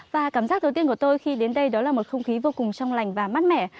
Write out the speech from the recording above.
và cảm giác đầu tiên của tôi khi đến đây đó là một không khí vô cùng trong lành và mát mẻ